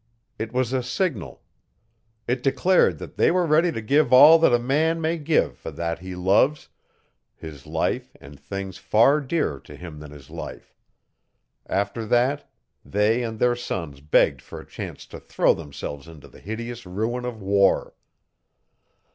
It was a signal. It declared that they were ready to give all that a man may give for that he loves his life and things far dearer to him than his life. After that, they and their sons begged for a chance to throw themselves into the hideous ruin of war.